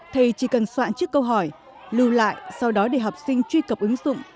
thầy chỉ cần soạn trước câu hỏi lưu lại sau đó để học sinh truy cập ứng dụng